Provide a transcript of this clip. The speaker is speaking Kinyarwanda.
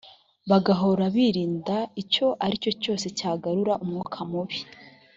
bagahora birinda icyo aricyo cyose cyagarura umwuka mubi